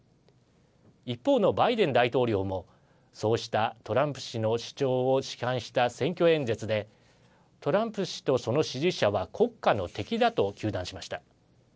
一方のバイデン大統領もそうしたトランプ氏の主張を批判した選挙演説でトランプ氏とその支持者は国家の敵だと糾弾しました。